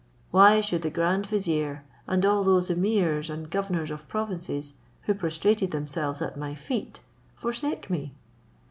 Why should the grand vizier, and all those emirs and governors of provinces, who prostrated themselves at my feet, forsake me?